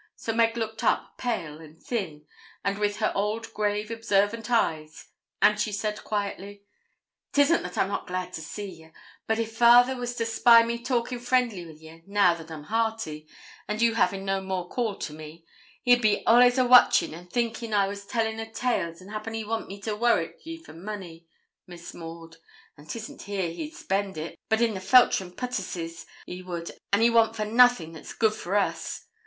So Meg looked up, pale and thin, and with her old grave, observant eyes, and she said quietly ''Tisn't that I'm not glad to see ye; but if father was to spy me talking friendly wi' ye, now that I'm hearty, and you havin' no more call to me, he'd be all'ays a watching and thinkin' I was tellin' o' tales, and 'appen he'd want me to worrit ye for money, Miss Maud; an' 'tisn't here he'd spend it, but in the Feltram pottusses, he would, and we want for nothin' that's good for us.